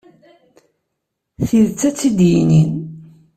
Tidet, ad tt-id-yini.